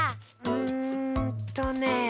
うんとね。